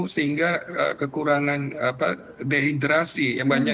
sehingga kekurangan dehidrasi yang banyak